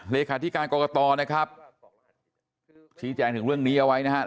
เลขาธิการกรกตนะครับชี้แจงถึงเรื่องนี้เอาไว้นะครับ